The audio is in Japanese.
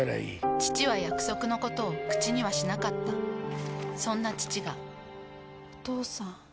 父は約束のことを口にはしなかったそんな父がお父さん。